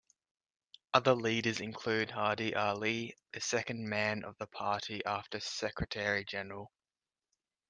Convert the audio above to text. Other leaders include Hadi Ali, the second man of the party after secretary general.